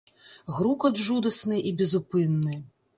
Грукат жудасны і безупынны.